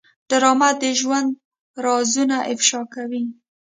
ډرامه د ژوند رازونه افشا کوي